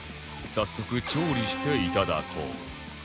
早速調理していただこう